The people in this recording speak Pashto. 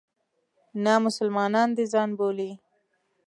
نه مسلمانان د ځان بولي.